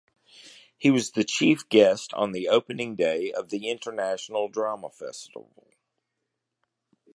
He was the chief guest on the opening day of the International Drama Festival.